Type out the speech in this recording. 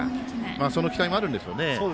その期待もあるんでしょうね。